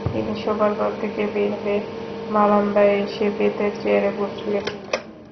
তিনি শোবার ঘর থেকে বের হয়ে বারান্দায় এসে বেতের চেয়ারে বসলেন।